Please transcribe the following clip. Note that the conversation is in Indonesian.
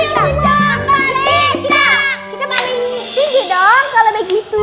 kita paling tinggi dong kalau begitu